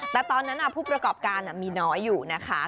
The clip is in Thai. แต่ตอนนั้นผู้ประกอบการมีน้อยอยู่นะคะ